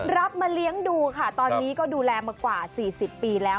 มาเลี้ยงดูค่ะตอนนี้ก็ดูแลมากว่า๔๐ปีแล้ว